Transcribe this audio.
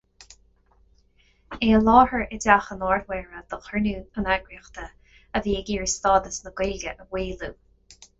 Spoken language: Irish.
É i láthair i dTeach an Ard-Mhéara do chruinniú an eagraíochta a bhí ag iarraidh stádas na Gaeilge a mhaolú.